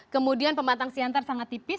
kemudian pematang siantar sangat tipis